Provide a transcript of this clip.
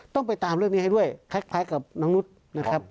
ต้องไปตามเรื่องนี้ให้ด้วยคล้ายกับน้องนุษย์นะครับ